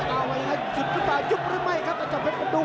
เอาไปไงหยุดขึ้นไปหยุดหรือไม่ครับเขาจะเฉับเพชรพดุง